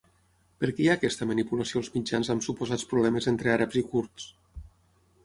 Per què hi ha aquesta manipulació als mitjans amb suposats problemes entre àrabs i kurds?